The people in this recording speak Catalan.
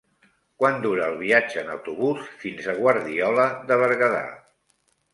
Quant dura el viatge en autobús fins a Guardiola de Berguedà?